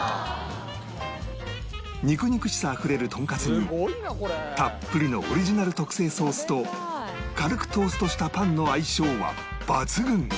肉々しさあふれるとんかつにたっぷりのオリジナル特製ソースと軽くトーストしたパンの相性は抜群！